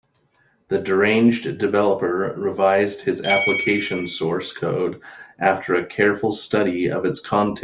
The deranged developer revised his application source code after a careful study of its contents.